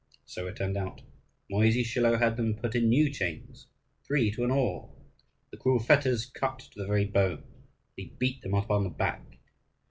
So it turned out. Mosiy Schilo had them put in new chains, three to an oar. The cruel fetters cut to the very bone; and he beat them upon the back.